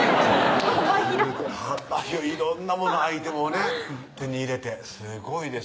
幅広い幅広い色んなアイテムをね手に入れてすごいです